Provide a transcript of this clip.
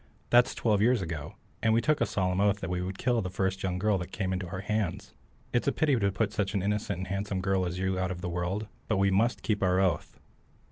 That's twelve years ago, and we took a solemn oath that we would kill the first young girl that came into our hands. It's a pity to put such an innocent and handsome girl as you are out of the world, but we must keep our oath."